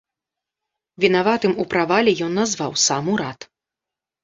Вінаватым у правале ён назваў сам урад.